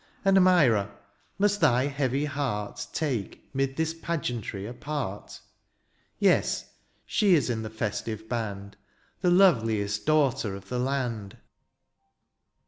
And, Myra, must thy heavy heart Take, 'mid this pageantry, a part ? Yes, she is in the festive band. The loveliest daughter of the land.